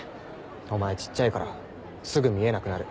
お前ちっちゃいからすぐ見えなくなる。